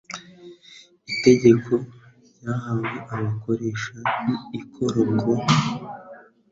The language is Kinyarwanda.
Itegeko ryahawe abakoresha b'ikoro ngo :